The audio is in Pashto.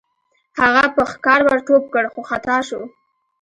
هغه په ښکار ور ټوپ کړ خو خطا شو.